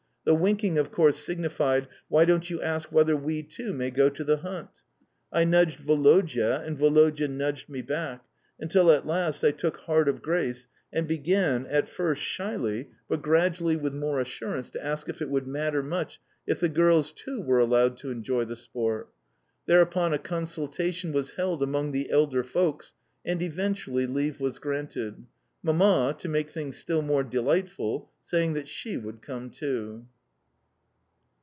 The winking, of course, signified, "Why don't you ask whether we too may go to the hunt?" I nudged Woloda, and Woloda nudged me back, until at last I took heart of grace, and began (at first shyly, but gradually with more assurance) to ask if it would matter much if the girls too were allowed to enjoy the sport. Thereupon a consultation was held among the elder folks, and eventually leave was granted Mamma, to make things still more delightful, saying that she would come too.